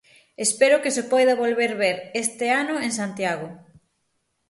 Espero que se poida volver ver este ano en Santiago.